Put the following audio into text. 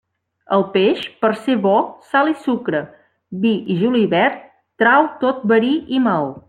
El peix, per ser bo, sal i sucre, vi i julivert trau tot verí i mal.